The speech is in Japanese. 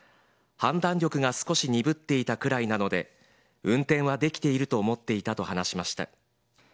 判断力が少し鈍っていたくらいなので、運転はできていると思っていたと話しました。